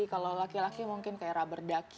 kalau laki laki mungkin kayak rubber duck